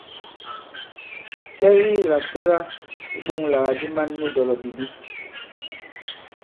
Cɛ ki làsɛla iɓoŋlàgàdi man nu dɔ̀lɔ̀bìbi ?